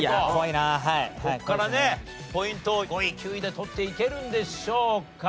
ここからねポイントを５位９位で取っていけるんでしょうか？